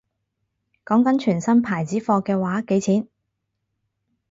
講緊全新牌子貨嘅話幾錢